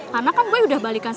karena kan gua udah balik ke kampus